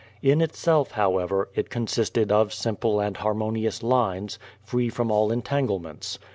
In itself, however, it consisted of simple and harmonious lines, free from all entanglements.